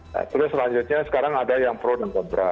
nah terus selanjutnya sekarang ada yang pro dan kontra